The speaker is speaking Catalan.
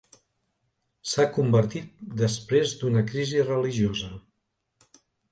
S'ha convertit després d'una crisi religiosa.